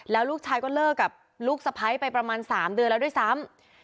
แล้วลูกชายก็เลิกกับลูกสะพ้ายไปประมาณ๓เดือนแล้วด้วยซ้ำ